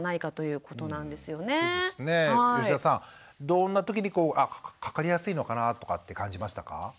どんなときにかかりやすいのかなとかって感じましたか？